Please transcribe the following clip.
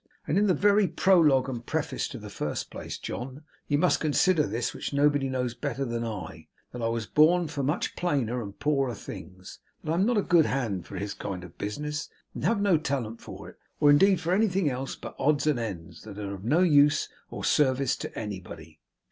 And in the very prologue and preface to the first place, John, you must consider this, which nobody knows better than I: that I was born for much plainer and poorer things, that I am not a good hand for his kind of business, and have no talent for it, or indeed for anything else but odds and ends that are of no use or service to anybody.